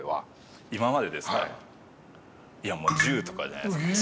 もう１０とかじゃないですか？